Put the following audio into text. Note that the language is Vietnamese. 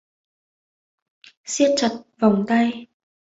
Xiết chặt vòng tay